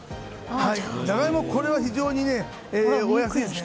ジャガイモ、非常にお安いですね。